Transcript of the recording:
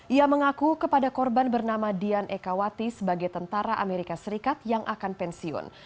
ia mengaku kepada korban bernama dian ekawati sebagai tentara amerika serikat yang akan pensiun